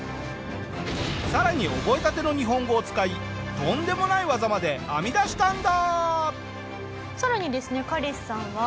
さらに覚えたての日本語を使いとんでもない技まで編み出したんだ！